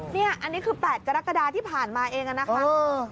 นี่อันนี้คือ๘กรกฎาที่ผ่านมาเองนะคะ